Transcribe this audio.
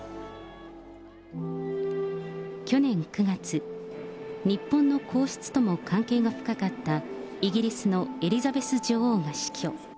去年９月、日本の皇室とも関係の深かったイギリスのエリザベス女王が死去。